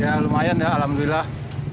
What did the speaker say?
ya lumayan ya alhamdulillah